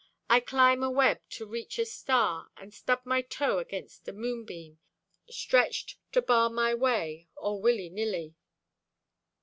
I climb a web to reach a star, And stub my toe against a moonbeam Stretched to bar my way, Oh, willynilly.